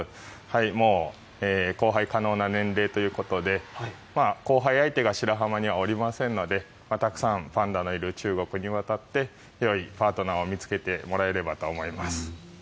もう交配可能な年齢ということで交配相手が白浜にはおりませんのでたくさんパンダがいる中国に渡ってよいパートナーを見つけてもらえればと思います。